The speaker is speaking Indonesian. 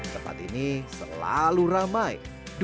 tempat ini selalu ramai